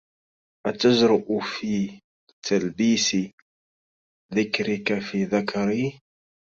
أتجرؤ في تلبيس ذكرك في ذكري